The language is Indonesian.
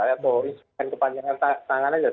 atau isu kepanjangan tangan saja